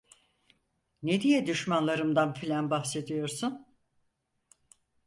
Ne diye düşmanlarımdan filan bahsediyorsun?